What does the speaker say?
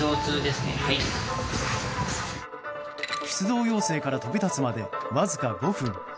出動要請から飛び立つまでわずか５分。